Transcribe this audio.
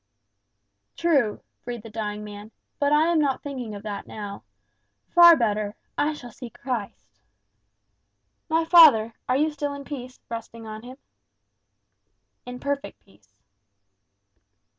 "True," breathed the dying man; "but I am not thinking of that now. Far better I shall see Christ." "My father, are you still in peace, resting on him?" "In perfect peace."